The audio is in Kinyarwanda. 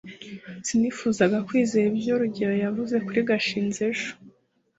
sinifuzaga kwizera ibyo rugeyo yavuze kuri gashinzi ejo